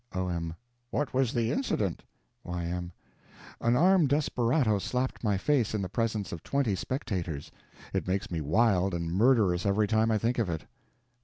O.M. What was the incident? Y.M. An armed desperado slapped my face in the presence of twenty spectators. It makes me wild and murderous every time I think of it.